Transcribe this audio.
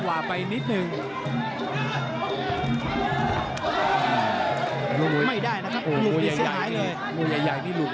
ความสโน่งความแรงครับ